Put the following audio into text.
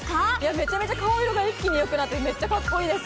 めちゃめちゃ顔色が一気によくなってカッコいいです。